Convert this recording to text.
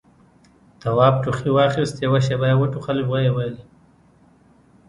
تواب ټوخي واخيست، يوه شېبه يې وټوخل، ويې ويل: